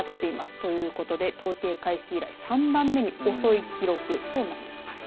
ということで、統計開始以来３番目に遅い記録となってます。